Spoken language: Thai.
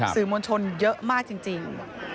สื่อมวลชนเยอะมากจริง